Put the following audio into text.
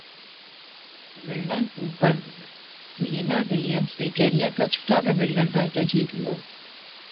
Wimbledon Open Serena ولیمزنےکیرئیر کا چھٹا ومبلڈن ٹائٹل جیت لیا